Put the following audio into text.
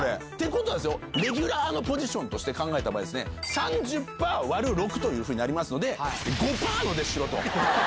ことはレギュラーのポジションとして考えた場合３０％割る６となりますので５％の出しろ。